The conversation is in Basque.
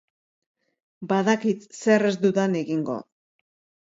Badakit zer ez dudan egingo.